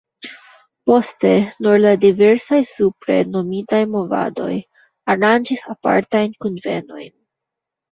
Poste nur la diversaj supre nomitaj movadoj aranĝis apartajn kunvenojn.